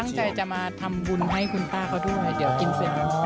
ก็ตั้งใจจะมาทำบุญให้คุณป้าเขาด้วยเดี๋ยวกินเฟซบุ๊ค